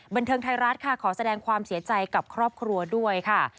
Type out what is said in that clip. บันเทิงไทยรัฐค่ะขอแสดงความเสียใจกับครอบครัวด้วยค่ะ